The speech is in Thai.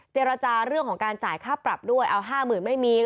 เจรจาเรื่องของการจ่ายค่าปรับด้วยเอา๕๐๐๐ไม่มี